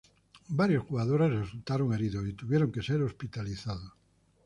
Varios jugadores resultaron heridos y tuvieron que ser hospitalizados.